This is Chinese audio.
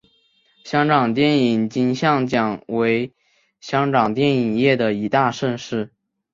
香港电影金像奖为香港电影业的一大盛事。